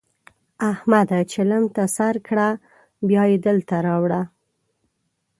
احمده! چلم ته سر کړه؛ بيا يې دلته راوړه.